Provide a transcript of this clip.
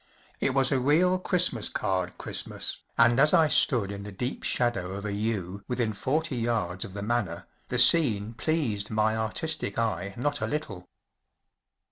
It was a real Christmas card Christmas, and as I stood in the deep shadow of a yew r within forty yards of the manor the scene pleased my artistic eye not a little.